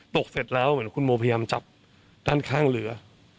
ตกเสร็จแล้วคุณโมพยัมจับด้านข้างเหลือ